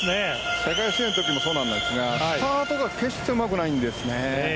世界水泳の時もそうだったんですがスタートが決してうまくないんですよね。